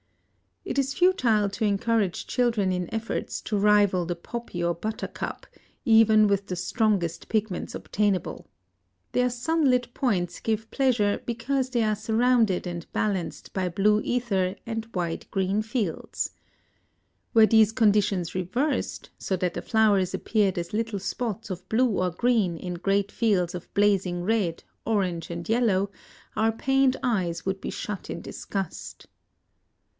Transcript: It is futile to encourage children in efforts to rival the poppy or buttercup, even with the strongest pigments obtainable. Their sunlit points give pleasure because they are surrounded and balanced by blue ether and wide green fields. Were these conditions reversed, so that the flowers appeared as little spots of blue or green in great fields of blazing red, orange, and yellow, our pained eyes would be shut in disgust.